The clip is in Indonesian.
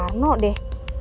gak nelfon dong deh